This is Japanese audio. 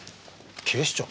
警視庁？